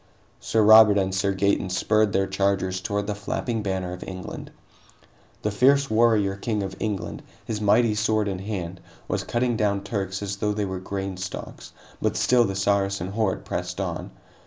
Sir Robert and Sir Gaeton spurred their chargers toward the flapping banner of England. The fierce warrior king of England, his mighty sword in hand, was cutting down Turks as though they were grain stalks, but still the Saracen horde pressed on.